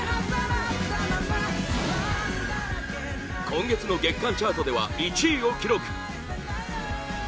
今月の月間チャートでは１位を記録